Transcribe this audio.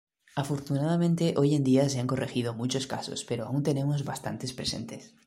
Afortunadamente hoy en día se han corregido muchos casos pero aun tenemos bastantes presentes.